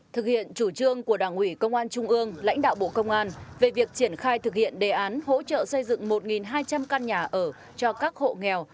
thực hiện chủ trương của đảng ủy công an trung ương lãnh đạo bộ công an về việc triển khai thực hiện đề án hỗ trợ xây dựng một hai trăm linh căn nhà ở cho các hộ nghèo